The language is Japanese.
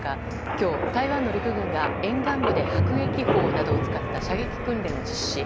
今日、台湾の陸軍が沿岸部で迫撃砲などを使った射撃訓練を実施。